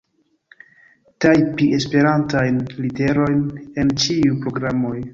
Tajpi Esperantajn literojn en ĉiuj programoj.